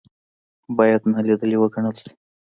باید نا لیدلې وګڼل شي.